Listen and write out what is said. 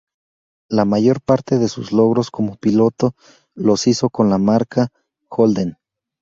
La mayor parte de sus logros como piloto los hizo con la marca Holden.